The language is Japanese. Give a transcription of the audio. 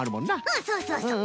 うんそうそうそう。